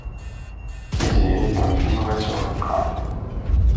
Tiziri twet Yuba s ubeqqa.